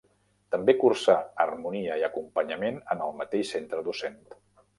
També cursà harmonia i acompanyament en el mateix centre docent.